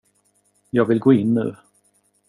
Jag vill gå in nu.